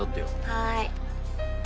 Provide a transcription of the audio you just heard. はい。